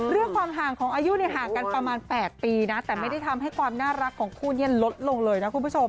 เรื่องความห่างของอายุห่างกันประมาณ๘ปีนะแต่ไม่ได้ทำให้ความน่ารักของคู่นี้ลดลงเลยนะคุณผู้ชม